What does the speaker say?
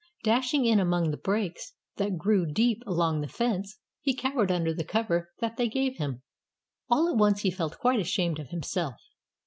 Dashing in among the brakes that grew deep along the fence he cowered under the cover that they gave him. All at once he felt quite ashamed of himself.